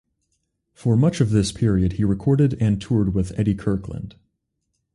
For much of this period he recorded and toured with Eddie Kirkland.